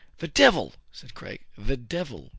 *'The devil !" said Craig. '* The devil!"